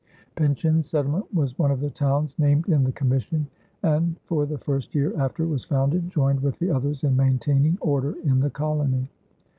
Pynchon's settlement was one of the towns named in the commission and, for the first year after it was founded, joined with the others in maintaining order in the colony.